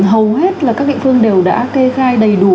hầu hết là các địa phương đều đã kê khai đầy đủ